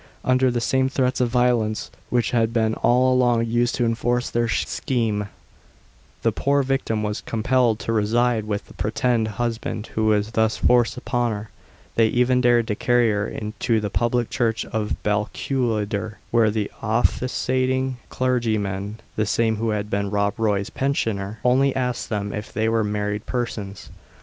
Under the same threats of violence, which had been all along used to enforce their scheme, the poor victim was compelled to reside with the pretended husband who was thus forced upon her. They even dared to carry her to the public church of Balquhidder, where the officiating clergyman (the same who had been Rob Roy's pensioner) only asked them if they were married persons.